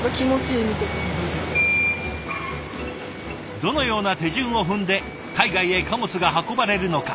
どのような手順を踏んで海外へ貨物が運ばれるのか。